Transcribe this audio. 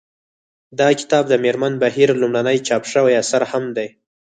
دا کتاب د مېرمن بهیر لومړنی چاپ شوی اثر هم دی